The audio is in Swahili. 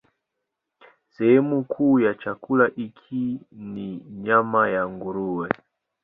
Sehemu kuu ya chakula hiki ni nyama ya nguruwe.